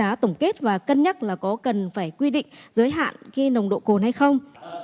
đánh giá tổng kết và cân nhắc là có cần phải quy định giới hạn khi nồng độ cồn hay không